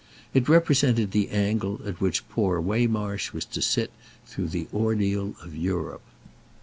It represented the angle at which poor Waymarsh was to sit through the ordeal of Europe.